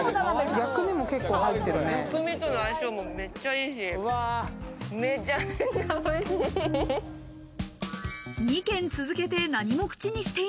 薬味との相性もめっちゃいいし、めちゃめちゃおいしい。